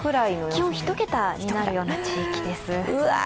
気温１桁になるような地域です。